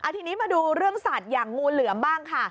ทีนี้มาดูเรื่องสัตว์อย่างงูเหลือมบ้างค่ะ